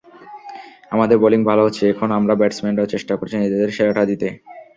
আমাদের বোলিং ভালো হচ্ছে, এখন আমরা ব্যাটসম্যানরাও চেষ্টা করছি নিজেদের সেরাটা দিতে।